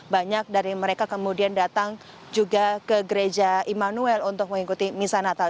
banyak dari mereka kemudian datang juga ke gereja immanuel untuk mengikuti misa natal